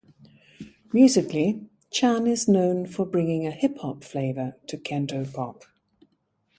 Musically, Chan is known for bringing a hip hop flavour to cantopop.